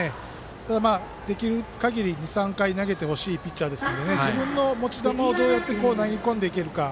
ただ、できるかぎり２３回投げてほしいピッチャーですので自分の持ち球をどうやって投げ込んでいけるか。